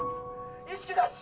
意識なし！